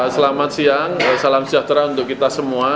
selamat siang salam sejahtera untuk kita semua